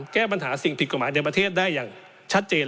แก้ปัญหาสิ่งผิดกฎหมายในประเทศได้อย่างชัดเจน